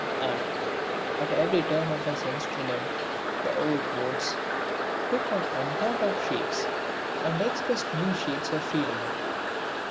And, at every turn of his instrument, the old modes took on unthought of shapes and expressed new shades of feeling.